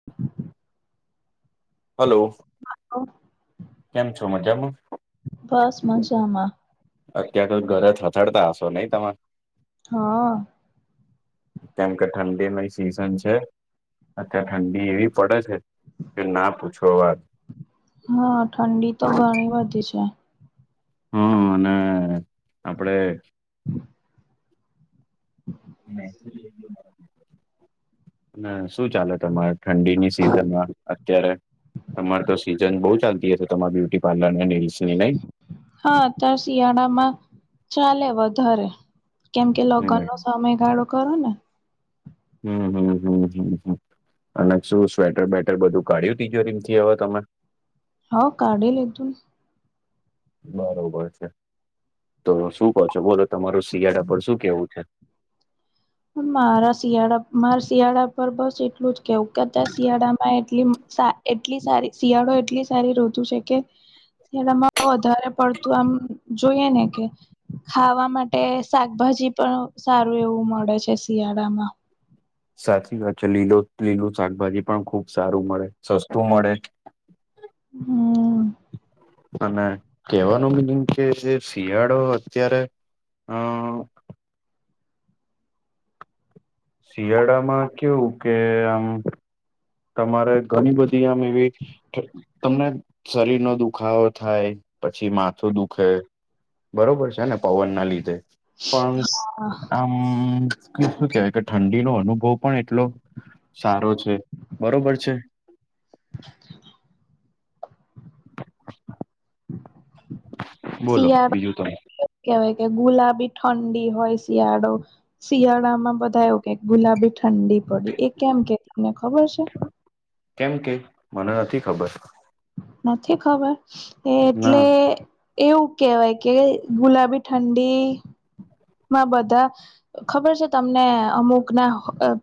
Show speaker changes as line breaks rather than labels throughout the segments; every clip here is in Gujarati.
હા [inaudible]
હલો
ઓ
કેમ છો મજામાં.
બસ મજમાં.
અત્યારે તો ઘરે થથડતા હશો નહી તમે.
હા.
કેમ કે ઠંડી ને સીઝન છે. અત્યારે ઠંડી એવી પડે છે કે ના પૂછો વાત
હા ઠંડી તો ઘણી બધી છે.
હમ અને આપડે મે [inaudible] ના શું ચાલે તમારે ઠંડીની સિઝનમાં અત્યારે તમાર તો સી જન બહુ ચાલતી હશે તમાર બ્યુટી પાર્લર ને નિલ્સની નઈ.
હા અત્યારે શિયાળામાં ચાલે વધારે કેમ કે
હમ
લગ્ન નો. સમયગાળો કરો ને.
હમ હમ હમ હમ હમ અને શું સ્વેટર બેેટર બધું કાઢ્યું તિજોરી એમથી હવે તમે.
હો કાઢી લીધું ને.
બરોબર છે તો શું કહો છો બોલો તમારું શિયાળા પર શું કેવું છે.
મારા શિયાળા મારા શિયાળા પર બસ એટલું જ કેવું અતાર શિયાળામાં આ એટલી સા એટલી સારી શિયાળો એટલી સારી શ્રૃતુ છે કે શિયાળામાં વધારે પડતું આમ જોઈએ ને કે ખાવા માટે શાકભાજી પણ સારું એવું મળે છે. તે શિયાળામાં
સાચી વાત છે. લીલો લીલું શાકભાજી પણ ખુબ સારું મળે, સસ્તું મળે.
હમ
અને કેહેવાનો મિનિંગ કે જે શિયાળો અત્યારે અ શિયાળામાં કેવું કે આમ તમારે ઘણી બધી આમ એવી તમને શરીરનો દુખાવો થાય, પછી માથું દુખે. બરોબર છે ને પવનના લીધે પણ આમ શું કેવાય કે ઠંડીનો અનુભવ પણ એટલો સારો છે. બરોબર છે?
[inaudible]
બોલો
શિયાળા
બીજું તમે.
કેવાય કે ગુલાબી ઠંડી હોય શિયાળો. શિયાળામાં બધા કે ગુલાબી ઠંડી પડી. એ કેમ કે તમને ખબર છે?
કેમ કે? મને નથી ખબર.
નથી ખબર? એ
ના
એટલે એવું કહેવાય કે ગુલાબી ઠંડી માં બધા ખબર છે તમને અમુક ના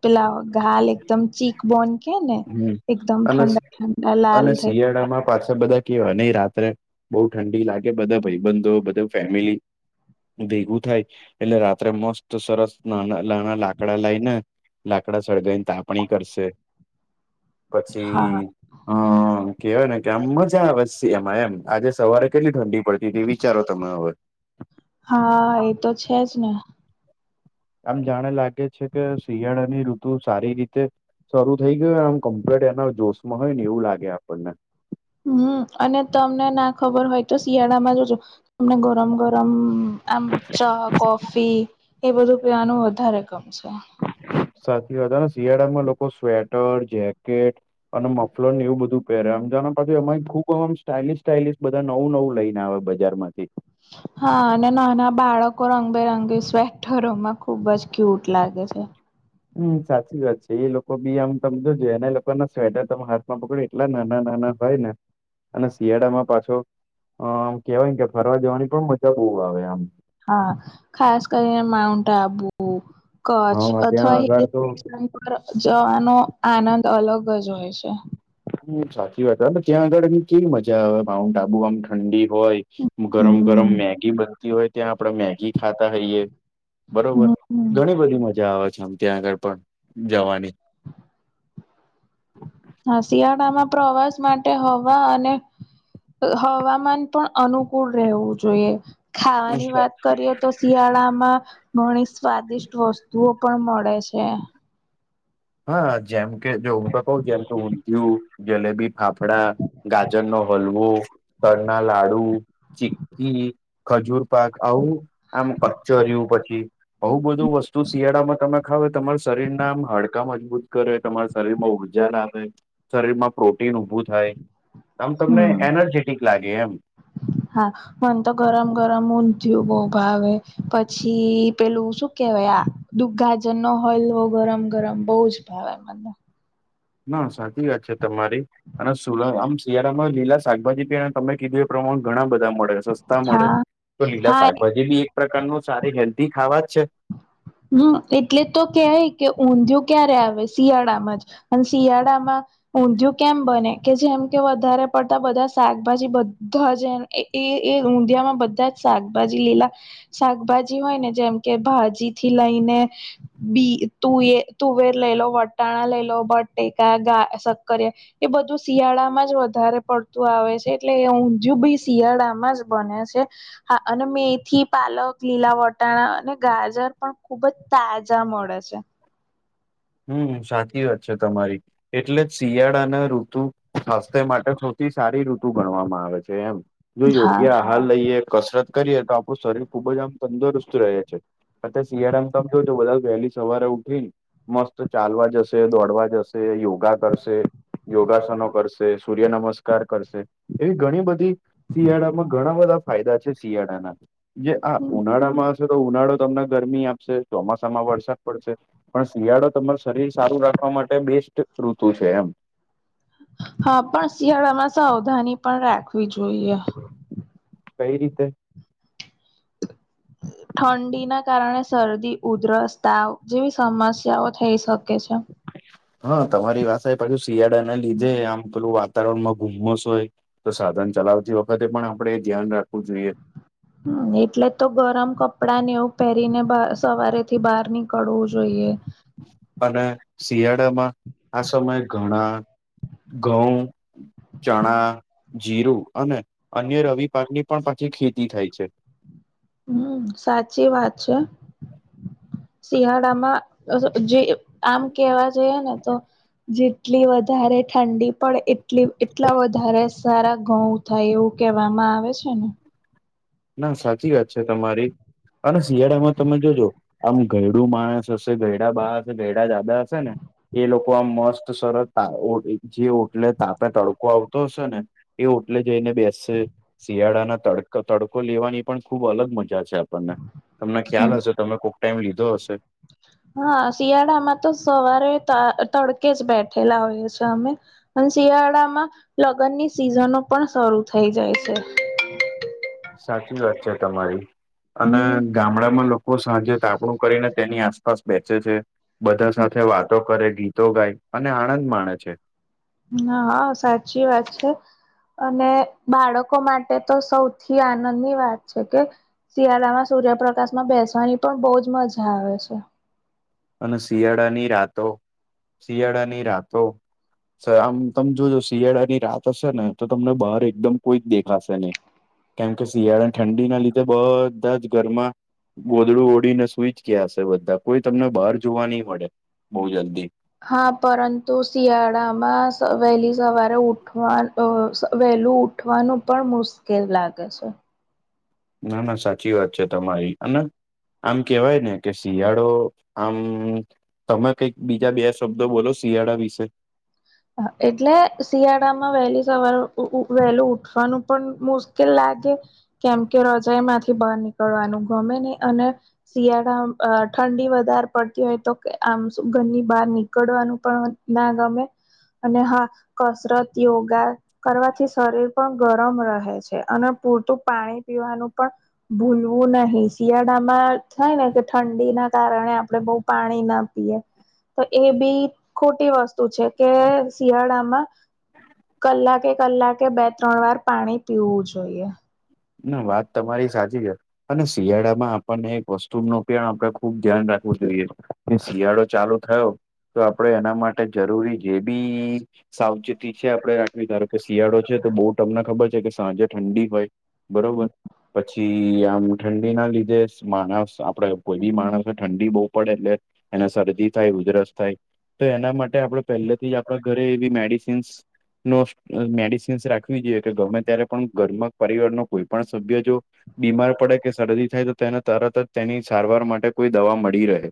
પેલા ઘાલ એ એકદમ ચીક બોન કે ને
હમ
એકદમ
અને
ઠંડા ઠંડા લાલ
અને
થઇ
શિયાળામાં પાછા બધા કેવા નહી રાત્રે બહુ ઠંડી લાગે બધા ભાઈબંધો, બધા ફેમિલી ભેગું થાય એટલે રાત્રે મસ્ત સરસ નાના નાના લાકડા લાયને લાકડા સળગાઈ ને તાપણી કરશે.
હા
પછી હહ હહ કહેવાય ને કે આમ મજા આવે સે એમાં એમ. આજે સવારે કેટલી ઠંડી પડતી તી વિચારો તમે હવે.
હા એતો છે જ ને.
આમ જાણે લાગે છે કે શિયાળાની ઋતુ સારી રીતે શરૂ થઈ ગયું આમ કમ્પ્લેટ એના જોશમાં હોય ને એવું લાગે આપણને.
હમ અને તમને ના ખબર હોય તો શિયાળામાં જોજો તમને ગરમ ગરમ આમ ચા, કોફી એ બધું પીવાનું વધારે ગમશે.
સાચી વાત અને શિયાળામાં લોકો સ્વેટર, જેકેટ અને મફલર ને એવું બધું પેરે આમ જોને પાછું એમાંય ખુબ આમ સ્ટાઈલીશ સ્ટાઇલિશ બધા નવું નવું લઈને આવે બજારમાંથી.
હા અને નાના બાળકો રંગબેરંગી સ્વેટરોમાં ખુબ જ ક્યુટ લાગે છે.
હમ સાચી વાત છે. એ લોકો બી આમ તમ જોજો એના લોકોના સ્વેટર તમે હાથમાં પકડી એટલા નાના નાના હોય ને અને શિયાળામાં પાછો આમ કેવાય કે ફરવા જવાની પણ મજા બહુ આવે આમ.
હા ખાસ કરીને માઉન્ટ આબુ. કચ્છ
હા
અથવા
ત્યાં
હિલ
આગળ તો
સ્ટેશન પર જવાનો આનંદ અલગ જ હોય છે.
હમ સાચી વાત હે અને ત્યાં આગળ કેવી મજા આવે માઉન્ટ આબુ આમ ઠંડી હોય. ગરમ ગરમ
હમ
મેગી બનતી હોય ત્યાં આપડે મેગી ખાતા હઈએ. બરોબર.
હમ
ઘણી બધી મજા આવે છે આમ ત્યાં આગળ પણ જવાની.
[inaudible] હા શિયાળામાં પ્રવાસ માટે હવા અને હવામાન પણ અનુકૂળ રહેવું જોઈએ. ખાવાની વાત કરીએ તો શિયાળામાં ઘણી સ્વાદિષ્ટ વસ્તુઓ પણ મળે છે.
હા જેમ કે જો હું તો કઉં જેમ કે ઊંધિયું, જલેબી ફાફડા. ગાજરનો હલવો, તલના લાડુ. ચીકી, ખજૂર પાક આવું આમ કચરીયુ પછી આવું બધું વસ્તુ શિયાળામાં તમે ખાવ તમારા શરીર ના આમ હળ કા મજબૂત કરે, તમારા શરીર માં ઉર્જા લાવે, શરીરમાં પ્રોટીન ઉભું થાય. આમ તમને
હમ
એનર્જેટિક લાગે એમ.
હા. મને તો ગરમ ગરમ ઊંધયું બહ ભાવે, પછી પેલું શું કેવાય આ દુગ્ગા જન્નો હલવો ગરમ ગરમ બહુ જ ભાવે મને.
ના સાચી વાત છે તમારી અને સુલ આમ શિયાણામાં લીલા શાકભાજી પી તમે કીધું એ પ્રમાણે ઘણા બધા મળે, સ સ્તા મળે.
હા
તો લીલા
હા
શાકભાજી બી એક પ્રકારનું સારી હેલ્ધી ખાવા જ છે.
હમ્મ એટલે તો કેય કે ઊંધિયું ક્યારે આવે શિયાળામાં જ. અને શિયાળામાં ઊંધિયું કેમ બને કે જેમ કે વધારે પડતા બધા શાકભાજી બધા જ એ એ એ ઊંધિયામાં બધા જ શાકભાજી લીલા શાકભાજી હોય ને જેમ કે ભાજી થી લઈને બી તુંએ તુવેર લઈ લો, વટાણા લઈ લો, બટેકા ગા સક્કરિયાં એ બધું શિયાળામાં જ વધારે પડતું આવે છે એટલે એ ઊંધયું બી શિયાળામાં જ બને છે. હા અને મેથી, પાલક, લીલા વટાણા અને ગાજર પણ ખુબ જ તાજા મળે છે..
હમ્મ, સાચી વાત છે તમારી. એટલે શિયાળા અને ઋતુ સ્વાસ્થ્ય માટે સૌથી સારી ઋતુ ગણવામાં આવે છે એમ. જો
હા.
યોગ્ય હાલ લઈએ, કસરત કરીએ તો આપણું શરીર ખુબ જ આમ તંદુરસ્ત રહે છે. સાથે શિયાળામાં તમ જોજો બધા વેહલી સવારે ઉઠીન મસ્ત ચાલવા જશે, દોડવા જશે, યોગા કરશે, યોગાસનો કર શે, સૂર્ય નમસ્કાર કરશે, એવી ઘણી બધી શિયાળામાં ઘણા બધા ફાયદા છે શિયાળાના. જે હા ઉનાળામાં હશે તો ઉનાળો તમને ગરમી આપશે, ચોમાસામાં વરસાદ પડશે. પણ શિયાળો તમાર શરીર સારું રાખવા માટે બેસ્ટ ઋતુ છે એમ.
હા પણ શિયાળામાં સાવધાની પણ રાખવી જોઈએ.
કઈ રીતે?
ઠંડી ના કારણે શરદી, ઉધરસ, તાવ જેવી સમસ્યાઓ થઈ શકે છે.
હા તમારી વાત સા પછુ શિયાળા ના લીધે આમ પેલું વાતાવરણ માં ગુમસ હોય તો સાધન ચલાવતી વખતે પણ આપણે એ ધ્યાન રાખવું જોઈએ.
હમ્મ એટલે તો ગરમ કપડા ને એવું પેહરીને બા સવારે થી બહાર નીકળવું જોઈએ.
અને શિયાળામાં આ સમયે ઘણા, ઘઉં ચણા, જીરું અને અન્ય રવિ પાક ની પણ પાછી ખેતી થાય છે.
હમ્મ, સાચી વાત છે. શિયાળામાં જે આમ કેવા જોઈએ ને તો જેટલી વધારે ઠંડી પડે એ ટલી એટલા વધારે સારા ઘઉં થાય એવું કેહેવામાં આવે છે ને?
ના સાચી વાત છે તમારી અને શિયાળામાં તમે જોજો આમ ઘઇડું માણસ હશે, ઘઇડું બા હશે, ઘઇડું દાદા હશે ને એ લોકો આમ મસ્ત સરસ તા ઓ જે ઓટલે તાપે તડકો આવતો હશે ને એ ઓટલે જઈને બેસશે, શિયાળાના તડ તડકો લેવાની પણ ખુબ અલગ મ જા છે આપણને, તમને
હમ
ખ્યાલ હશે તમે કોક ટાઈમ લીધો હશે?
હા શિયાળામાં તો સવારે ત તડકે જ બેઠેલા હોઇયે છે અમે. અને શિયાળામાં લગની સિઝનો પણ શરૂ થઈ જાય છે.
સાચી વાત છે તમારી અને
હમ
ગામડામાં લો કો સાંજે તાપડું કરીને તેની આસપાસ બેસે છે, બધા સાથે વાત તો કરે, ગીતો ગાય અને આનંદ માણે છે.
ન હા, સાચી વાત છે. અને બાળકો માટે તો સૌથી આનંદની વાત છે કે શિયાળામાં સૂર્યપ્રકાશમાં બેસવાની પણ બહ જ મજા આવે છે.
અને શિયાળાની રાતો શિયાળાની રાતો. સર આમ તમે જોજો શિયાળા ની રાત હશે ને તો તમને બહાર એકદમ કોઈ જ દેખાશે નહી. કેમ કે શિયાળા અને ઠંડીના લીધે બધા જ ગરમા ગોદડું ઓળીને સુઈચ કેયાશે બધા કોઈ તમને બહાર જોવા નહી પડે બહુ જલ્દી..
હા પરંતુ શિયાળામાં વહેલી સવારે ઉઠવા વહેલું ઉઠવાનું પણ મુશ્કેલ લાગે છે.
ના ના સાચી વાત છે તમારી અને આમ કેવાય ને કે શિયાળો આમ. તમે કઈક બીજા બે શબ્દો બોલો શિયાળા વિશે.
એટલે શિયાળામાં વહેલી સવાર વહેલું ઉઠવાનું પણ મોસ્. લાગે કેમ કે રજાાઈ માંથી બહાર નીકળવાનું ગમે નહી અને શિયાળા ઠંડી વધારે પડતી હોય તો કે આમ ઘરની બહાર નીકળવાનું પણ ના ગમે. અને હા કસરત યોગા. કરવાથી શરીર પણ ગરમ રહે છે અને પૂરતું પાણી પીવાનું પણ ભૂલવું નહીિ શિયાળામાં થાય ને કે ઠંડીના કારણે આપણે બહુ પાણી ના તો એ બી ખોટી વસ્તુ છે કે શિયાળામાં કલાકે કલાકે બે ત્રણ વાર પાણી પીવું જોઈએ.
ના વાત તમારી સાચી છે. અને શિયાળામાં આપણને વસ્તુ ન પણ આપણે ખુબ ધ્યાન રાખવું જોઈએ. જે શિયાળો ચાલુ થયો તો આપડ એના માટે જરૂરી જે બી. સાવચેતી છે આપડણે રાખવી ધારો કે શિયાળો છે તો બહુ તમને ખબર છે કે સાંજે ઠંડી હોય. બરોબર પછી આમ ઠંડી ના લીધે માણસ આપડે કોઈ બી માણસ ઠંડી બહુ પડે એટલે એના શરદી થાય ઉધરસ થાય તો એના માટે આપણે પહેલેથી જ આપણા ઘરે એવી મેડિસિન્સ નો મેડિસિન્સ રાખવી જોઈએ કે ગમે ત્યારે પણ ઘરમાં પરિવારનો કોઈ પણ સભ્ય જવા બીમાર પડે કે શરદી થાય તો તેને તરત જ તેની સારવાર માટે કોઈ દવા મળી રહે.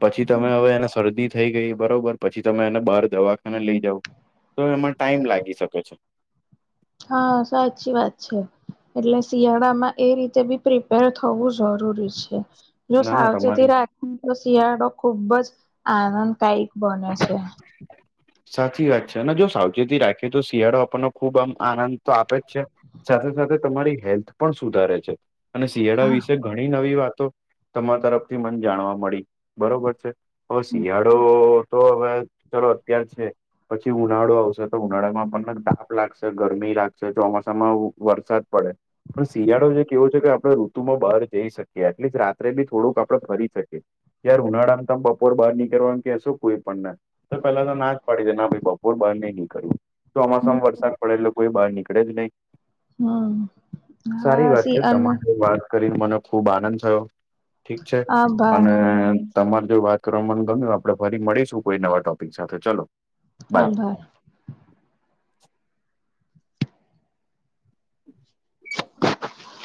પછી તમે હવે એને શરદી થઈ ગઈ બરોબર પછી તમે એને બહાર દવાખાને લઈ જાવ તો એમાં ટાઈમ લાગી શકે છે.
હા સાચી વાત છે. એટલે શિયાળામાં એ રીતે બી પ્રિપેર થવું જરૂરી છે. જો
ના ના તમારી
સાવચેતી રાખે તો શિયાળો ખુબ જ આનંદ કાયક બને છે.
સાચી વાત છે અને જો સાવચેતી રાખીએ તો શિયાળો આપણને ખુબ આમ આનંદ તો આપે જ છે. સાથે સાથે તમારી હેલ્થ પણ સુધારે છે અને શિયાળા
હા
વિશે. ઘણી નવી વાતો તમારા તરફથી મને જાણવા મળી બરોબર છે. હ શિયાળો તો હવે ચલો અત્યાર છે. પછી ઉનાળો આવશે તો ઉનાળામાં પણને ધઢાપ લાગશે ગરમી લાગશે ચોમાસામાં વરસાદ પડે. પણ શિયાળો જે કેવો છે કે આપડણે ઋતુમાં બહાર જઈ શકીએ એટલી રાત્રે બી થોડુંક આપણે ફરી શકીએ. તયાર ઉનાળા માં તમે બપોર બહાર નીકળવામ કેહેશો કોઈ પણ ને તો પેલા તો ના જ પાડી દે ના ભાઈ બપોર બહાર નઈ નીકળવું
હમ
તોમાસમાં વરસાદ પડેટલે કોઈ બહાર નીકળે જ નહી.
હમ
સારી
હા
વાત
સી
છે
અને
તમારી વાત. કરી મને ખુબ આનંદ થયો ઠીક છે
આભાર
અને તમારે જો વાત કરવા મને ગમ્યું આપડે ફરી મળીશું કોઈ નવા ટોપિક સાથે ચલો. બાય
આભર [inaudible]